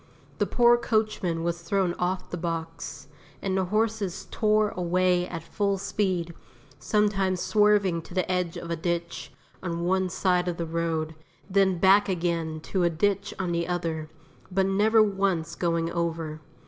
The poor coachman was thrown off the box, and the horses tore away at full speed, sometimes swerving to the edge of a ditch on one side of the road, then back again to a ditch on the other, but never once going over.